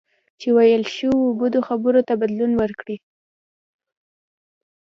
چې ویل شوو بدو خبرو ته بدلون ورکړئ.